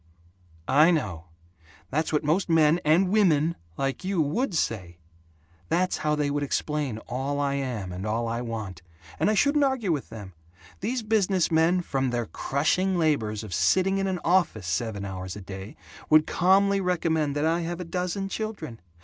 "I know. That's what most men and women like you WOULD say. That's how they would explain all I am and all I want. And I shouldn't argue with them. These business men, from their crushing labors of sitting in an office seven hours a day, would calmly recommend that I have a dozen children.